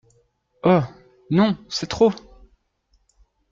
Oh ! non, c’est trop !…